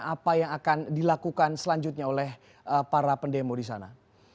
apa yang akan dilakukan selanjutnya oleh para pendemo di sana